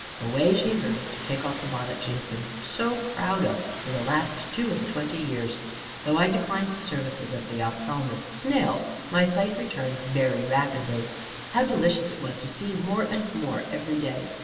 Away she hurries to take off the bonnet she has been so proud of, for the last two and twenty years. Though I declined the services of the ophthalmist snails, my sight returned very rapidly. How delicious it was to see more and more every day!